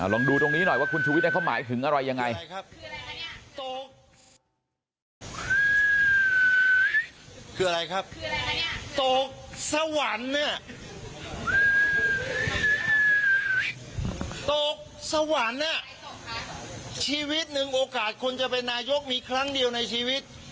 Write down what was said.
ลองดูตรงนี้หน่อยว่าคุณชุวิตเขาหมายถึงอะไรยังไง